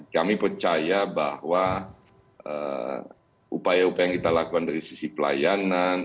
kami percaya bahwa upaya upaya yang kita lakukan dari sisi pelayanan